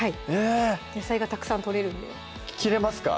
野菜がたくさんとれるんで切れますか？